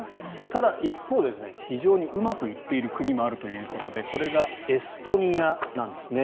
ただ、一方で非常にうまくいっている国もあるということでこれがエストニアなんです。